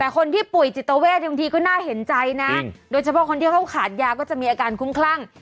แต่คนที่ป่วยจิตเวทบางทีก็น่าเห็นใจนะโดยเฉพาะคนที่เขาขาดยาก็จะมีอาการคุ้มคลั่ง